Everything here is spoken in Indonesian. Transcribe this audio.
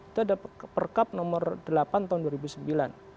itu ada perkab nomor delapan tahun dua ribu sembilan